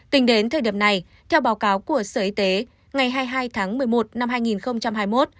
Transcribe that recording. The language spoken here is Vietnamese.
tính đến thời điểm này theo báo cáo của sở y tế ngày hai mươi hai tháng một mươi một năm hai nghìn hai mươi một